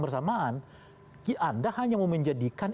bersamaan anda hanya mau menjadikan